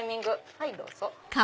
はいどうぞ。